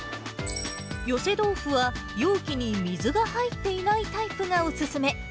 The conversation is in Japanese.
寄せ豆腐は、容器に水が入っていないタイプがお勧め。